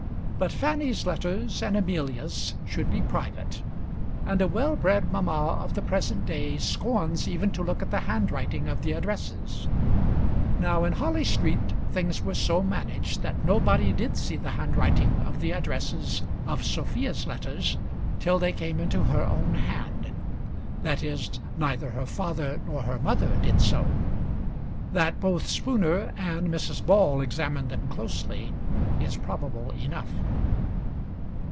But Fanny's letters and Amelia's should be private; and a well bred mamma of the present day scorns even to look at the handwriting of the addresses. Now in Harley Street things were so managed that nobody did see the handwriting of the addresses of Sophia's letters till they came into her own hand, that is, neither her father nor her mother did so. That both Spooner and Mrs. Ball examined them closely is probable enough.